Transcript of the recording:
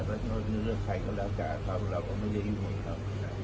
แล้วเนื้อใครก็แล้วจ้ะเพราะเราก็ไม่ได้ยุ่งให้เขา